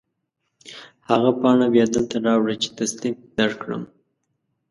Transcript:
هغه پاڼه بیا دلته راوړه چې تصدیق درکړم.